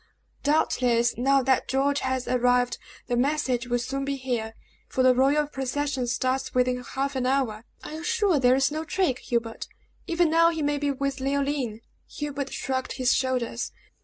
Doubtless, now that George has arrived, the message will soon be here, for the royal procession starts within half an hour." "Are you sure there is no trick, Hubert? Even now he may be with Leoline!" Hubert shrugged his shoulders.